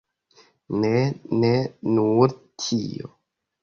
Ne, ne nur tio.